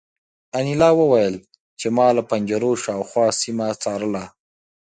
انیلا وویل چې ما له پنجرو شاوخوا سیمه څارله